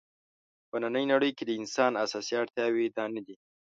په نننۍ نړۍ کې د انسان اساسي اړتیاوې دا نه دي.